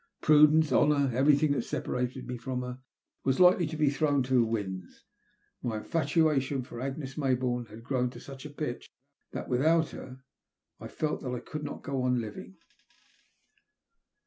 Prudence, honour, every thing that separated me from her was likely to be thrown to the winds. My infatuation for Agnes May bourne had grown to such a pitch that without her I felt that I could not go on living.